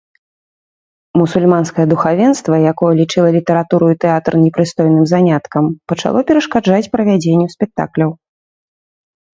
Мусульманскае духавенства, якое лічыла літаратуру і тэатр непрыстойным заняткам, пачало перашкаджаць правядзенню спектакляў.